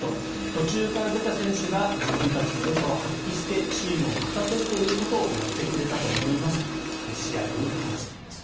途中から出た選手が自分たちのよさを発揮してチームを勝たせるということをやってくれたと思いますと試合後に話しています。